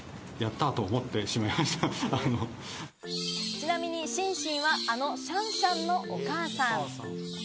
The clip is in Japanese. ちなみにシンシンは、あのシャンシャンのお母さん。